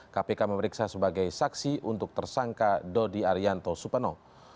kpk memeriksa sebagai saksi untuk tersangka dodi arianto supeno